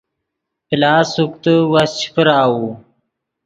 پلاس سوکتے وس چے پراؤو